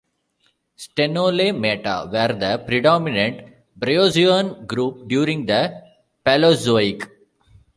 Stenolaemata were the predominant bryozoan group during the Paleozoic.